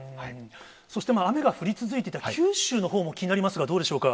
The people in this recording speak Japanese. そして雨が降り続いていた九州のほうも気になりますが、どうでしょうか？